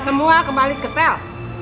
semua kembali ke sel